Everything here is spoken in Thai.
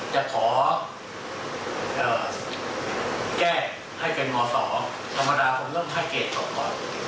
จะขอแก้ให้เป็นหมอสอบธรรมดาผมเริ่มให้เกรดต่อก่อน